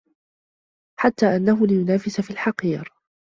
حَتَّى أَنَّهُ لَيُنَافِسُ فِي الْحَقِيرِ